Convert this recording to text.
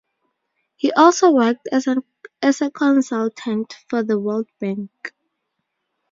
He also worked as a consultant for the World Bank.